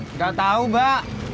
enggak tahu mbak